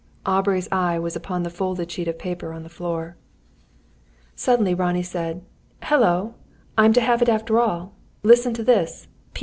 Aubrey's eye was upon the folded sheet of paper on the floor. Suddenly Ronnie said: "Hullo! I'm to have it after all! Listen to this.